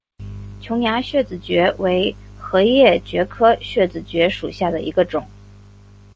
琼崖穴子蕨为禾叶蕨科穴子蕨属下的一个种。